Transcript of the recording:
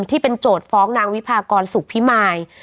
ที่เป็นโจรฟ้องนางวิภากรสุขภิมัย